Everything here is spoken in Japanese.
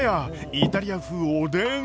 イタリア風おでん。